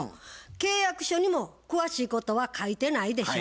契約書にも詳しいことは書いてないでしょ。